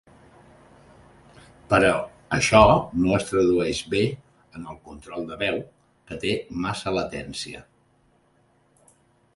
Però això no es tradueix bé en el control de veu, que té massa latència.